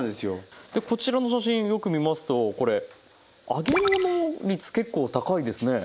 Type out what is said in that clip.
こちらの写真よく見ますとこれ揚げ物率結構高いですね。